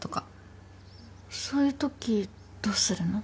そういうときどうするの？